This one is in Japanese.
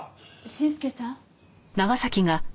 信祐さん？